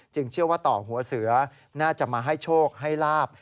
เชื่อว่าต่อหัวเสือน่าจะมาให้โชคให้ลาบ